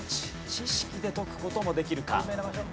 知識で解く事もできるか？